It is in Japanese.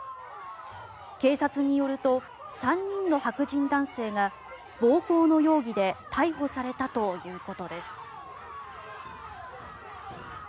警察によると３人の白人男性が暴行の容疑で逮捕されたということです。